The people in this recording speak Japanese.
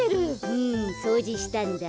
うんそうじしたんだ。